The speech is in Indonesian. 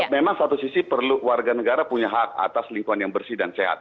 memang satu sisi perlu warga negara punya hak atas lingkungan yang bersih dan sehat